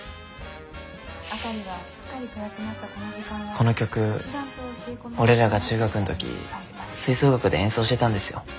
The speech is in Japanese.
この曲俺らが中学ん時吹奏楽で演奏してたんですよ。